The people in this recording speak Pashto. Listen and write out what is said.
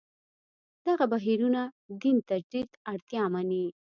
دغه بهیرونه دین تجدید اړتیا مني.